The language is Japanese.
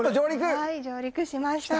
はい上陸しました。